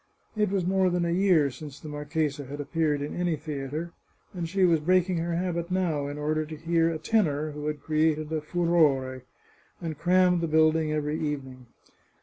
It was more than a year since the marchesa had appeared in any theatre, and she was breaking her habit now, in order to hear a tenor who had created a furore, and crammed the building every evening.